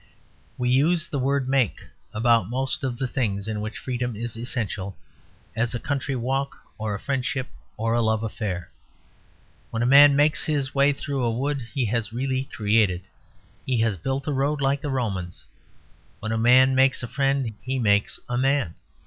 We use the word "make" about most of the things in which freedom is essential, as a country walk or a friendship or a love affair. When a man "makes his way" through a wood he has really created, he has built a road, like the Romans. When a man "makes a friend," he makes a man.